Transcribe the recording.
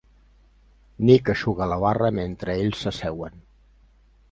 Nick eixuga la barra mentre ells s'asseuen.